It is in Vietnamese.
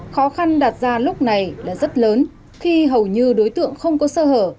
khó khăn đạt ra lúc này là rất lớn khi hầu như đối tượng không có sơ hở